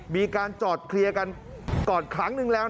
มีการจอดเคลียร์กันก่อนครั้งนึงแล้ว